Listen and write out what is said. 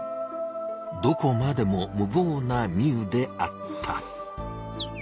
どこまでも無ぼうなミウであった。